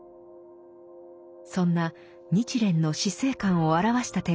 そんな日蓮の死生観を表した手紙があります。